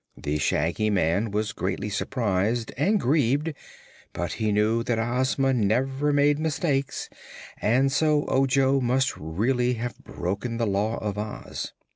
The Shaggy Man was greatly surprised and grieved, but he knew that Ozma never made mistakes and so Ojo must really have broken the Law of Oz.